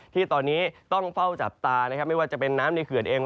ที่ตอนนี้ต้องเฝ้าจับตานะครับไม่ว่าจะเป็นน้ำในเขื่อนเอง